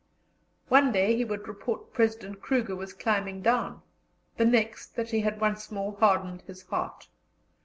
One day he would report President Kruger was climbing down; the next, that he had once more hardened his heart.